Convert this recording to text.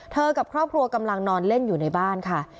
กับครอบครัวกำลังนอนเล่นอยู่ในบ้านค่ะ